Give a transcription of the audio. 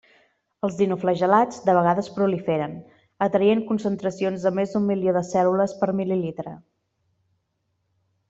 Els dinoflagel·lats de vegades proliferen, atenyent concentracions de més d'un milió de cèl·lules per mil·lilitre.